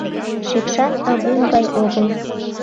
— Шикшан агун гай огыл.